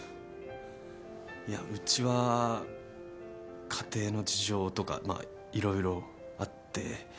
いやうちは家庭の事情とかまあ色々あって。